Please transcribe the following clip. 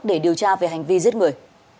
để điều tra về hành vi giết người